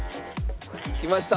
きました。